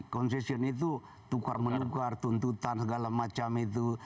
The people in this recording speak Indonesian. concession itu tukar menukar tuntutan segala macam itu